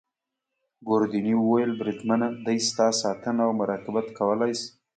ګوردیني وویل: بریدمنه دی ستا ساتنه او مراقبت کولای شي.